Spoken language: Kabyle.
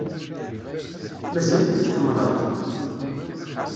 Mazal-ikem tḥemmleḍ-t?